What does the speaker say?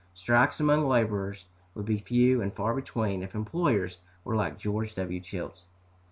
Strikes among laborers would be few and far between if employers were like George W. Childs.